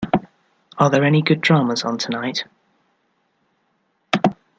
Are there any good dramas on tonight?